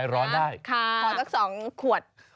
ร้อนได้ขอสัก๒ขวด